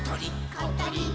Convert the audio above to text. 「ことりっ！